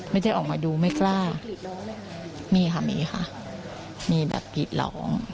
ไม่ได้ออกมาดูไม่กล้ามีค่ะมีค่ะมีแบบกรีดร้อง